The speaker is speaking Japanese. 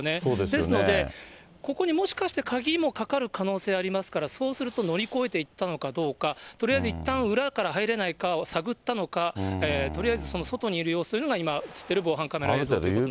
ですので、ここにもしかして鍵もかかる可能性ありますから、そうすると、乗り越えていったのかどうか、とりあえずいったん、裏から入れないか探ったのか、とりあえず外にいる様子というのが、写っている防犯カメラ映像になりますね。